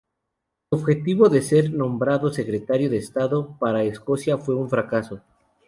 Su objetivo de ser nombrado Secretario de Estado para Escocia fue un fracaso.